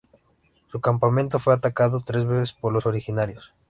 Su campamento fue atacado tres veces por los originarios.